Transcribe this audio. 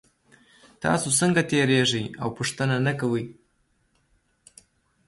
تاسو څنګه تیریږئ او پوښتنه نه کوئ